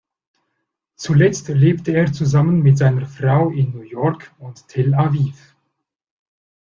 Zuletzt lebte er zusammen mit seiner Frau in New York und Tel Aviv.